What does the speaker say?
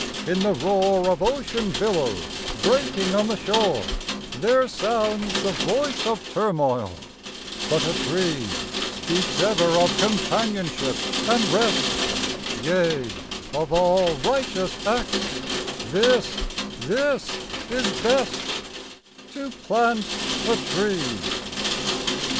In the roar Of ocean billows breaking on the shore There sounds the voice of turmoil. But a tree Speaks ever of companionship and rest. Yea, of all righteous acts, this, this is best, To plant a tree.